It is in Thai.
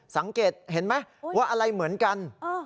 สังเกตเห็นไหมว่าอะไรเหมือนกัน